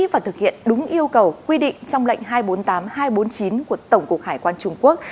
và thực hiện đúng yêu cầu quy định trong lệnh hai trăm bốn mươi tám hai trăm bốn mươi chín của tổng cục hải quan trung quốc